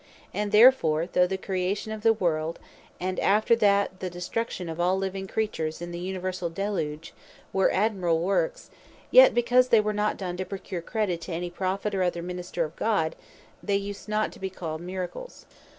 And therefore, though the creation of the world, and after that the destruction of all living creatures in the universall deluge, were admirable works; yet because they were not done to procure credit to any Prophet, or other Minister of God, they use not to be called Miracles.